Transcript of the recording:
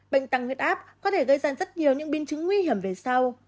bệnh tăng nguyết áp có thể gây ra rất nhiều những biên chứng nguy hiểm về sau